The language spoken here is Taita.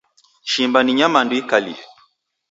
Shimba ni nyamandu ikalie.